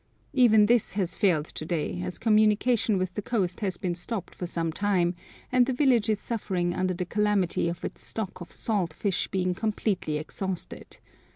Even this has failed to day, as communication with the coast has been stopped for some time, and the village is suffering under the calamity of its stock of salt fish being completely exhausted.